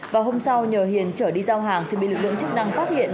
và hôm sau nhờ hiền trở đi giao hàng thì bị lực lượng chức năng phát hiện